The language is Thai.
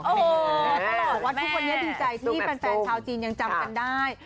กับทุกคนนะที่ไฟนชาวจีนยังจังกันได้